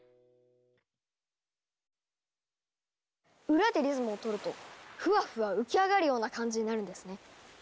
裏でリズムをとるとフワフワ浮き上がるような感じになるんですね。